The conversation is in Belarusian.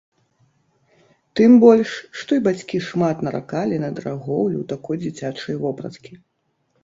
Тым больш, што і бацькі шмат наракалі на дарагоўлю такой дзіцячай вопраткі.